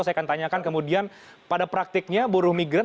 saya akan tanyakan kemudian pada praktiknya buruh migran